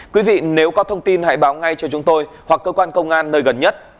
quý vị nếu có thông tin hãy báo ngay cho chúng tôi hoặc cơ quan công an nơi gần nhất